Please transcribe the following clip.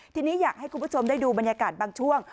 ทีนี้อยากให้คุณผู้ชมได้ดูบรรยากาศบางช่วง